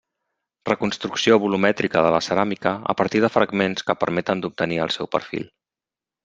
Reconstrucció volumètrica de la ceràmica a partir de fragments que permeten d'obtenir el seu perfil.